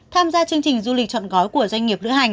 tham gia chương trình du lịch chọn gói của doanh nghiệp lữ hành